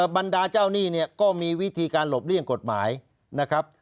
บรรดาเจ้าหนี้เนี่ยก็มีวิธีการหลบเลี่ยงกฎหมายนะครับ